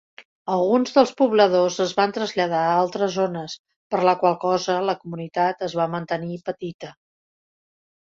Alguns dels pobladors es van traslladar a altres zones, per la qual cosa la comunitat es va mantenir petita.